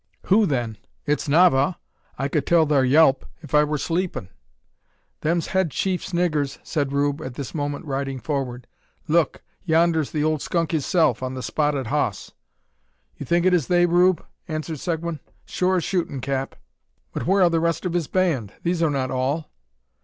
"Who then? It's Navagh. I kud tell thar yelp if I wur sleepin'." "Them's head chief's niggurs," said Rube, at this moment riding forward. "Looke! yonder's the old skunk hisself, on the spotted hoss!" "You think it is they, Rube?" inquired Seguin. "Sure as shootin', cap." "But where are the rest of his band? These are not all."